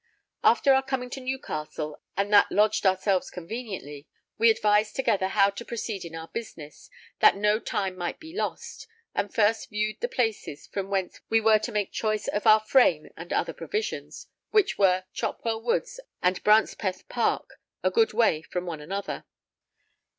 After our coming to Newcastle and that lodged ourselves conveniently, we advised together how to proceed in our business, [that] no time might be lost; and first viewed the places from whence we were to make choice of our frame and other provisions, which were Chopwell Woods and Brancepeth Park, a good way from one another.